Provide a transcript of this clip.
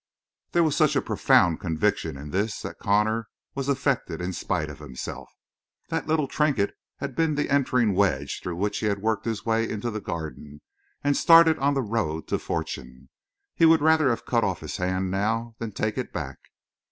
There was such a profound conviction in this that Connor was affected in spite of himself. That little trinket had been the entering wedge through which he had worked his way into the Garden and started on the road to fortune. He would rather have cut off his hand, now, than take it back.